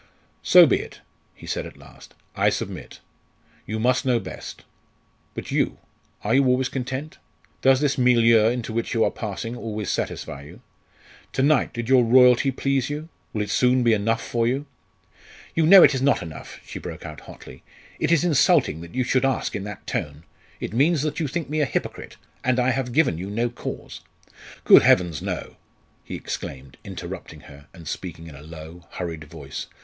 "So be it," he said at last. "I submit. You must know best. But you? are you always content? Does this milieu into which you are passing always satisfy you? To night, did your royalty please you? will it soon be enough for you?" "You know it is not enough," she broke out, hotly; "it is insulting that you should ask in that tone. It means that you think me a hypocrite! and I have given you no cause " "Good heavens, no!" he exclaimed, interrupting her, and speaking in a low, hurried voice.